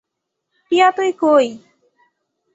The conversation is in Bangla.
টিয়া কই তুই?